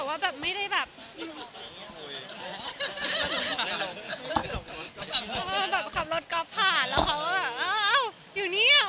ว่าอยู่เนี่ย